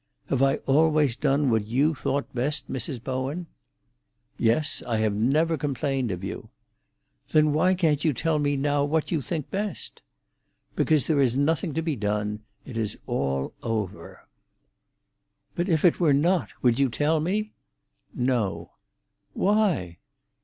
"Have I always done what you thought best, Mrs. Bowen?" "Yes, I have never complained of you." "Then why can't you tell me now what you think best?" "Because there is nothing to be done. It is all over." "But if it were not, would you tell me?" "No." "Why?"